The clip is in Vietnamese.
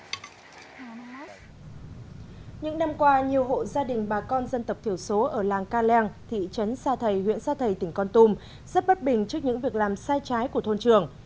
những năm qua nhiều hộ gia đình bà con dân tộc thiểu số ở làng ca leo thị trấn sa thầy huyện sa thầy tỉnh con tum rất bất bình trước những việc làm sai trái của thôn trường